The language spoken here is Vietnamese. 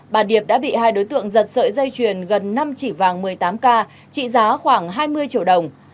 bà điệp đã bị hai đối tượng giật sợi dây chuyền gần năm chỉ vàng một mươi tám k trị giá khoảng hai mươi triệu đồng